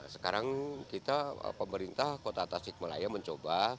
sekarang kita pemerintah kota tasik malaya mencoba